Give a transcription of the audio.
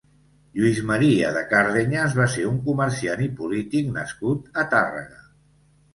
Lluís Maria de Cardeñas va ser un comerciant i polític nascut a Tàrrega.